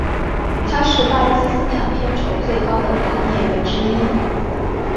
他是巴基斯坦片酬最高的男演员之一。